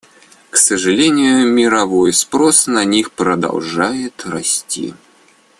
К сожалению, мировой спрос на них продолжает расти.